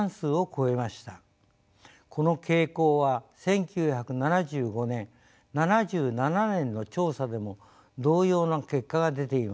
この傾向は１９７５年７７年の調査でも同様な結果が出ています。